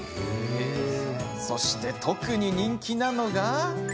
そして、特に人気なのが。